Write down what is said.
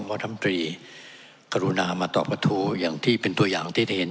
เพราะน้ำตรีกรุณามาตอบกระทู้อย่างที่เป็นตัวอย่างที่ได้เห็น